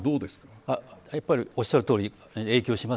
おっしゃるとおり影響します。